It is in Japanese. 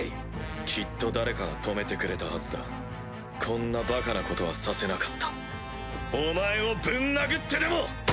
きっと誰かが止めてくれたはずだこんなバカなことはさせなかったお前をぶん殴ってでも！